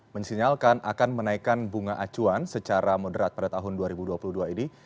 mensinyalkan akan menaikkan bunga acuan secara moderat pada tahun dua ribu dua puluh dua ini